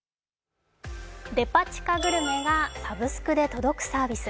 デパ地下グルメがサブスクで届くサービス。